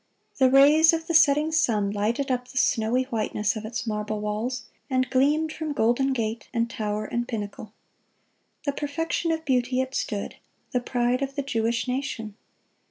The rays of the setting sun lighted up the snowy whiteness of its marble walls, and gleamed from golden gate and tower and pinnacle. "The perfection of beauty" it stood, the pride of the Jewish nation.